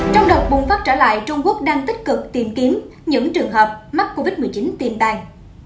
trong đợt bùng phát trở lại trung quốc đang tích cực tìm kiếm những trường hợp mắc covid một mươi chín tiềm tàng